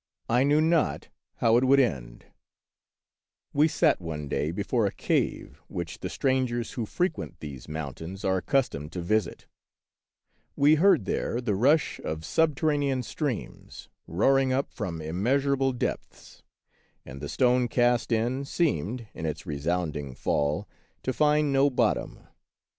I knew not how it would end. 90 The Wonderful History We sat one day before a cave which the strangers who frequent these mountains are ac customed to visit. We heard there the rush of subterranean streams roaring up from immeasur able depths, and the stone cast in seemed, in its resounding fall, to find no bottom.